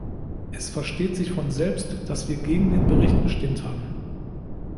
Es versteht sich von selbst, dass wir gegen den Bericht gestimmt haben.